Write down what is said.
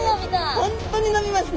本当に伸びますね。